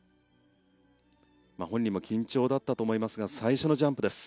本人も緊張だったと思いますが最初のジャンプです。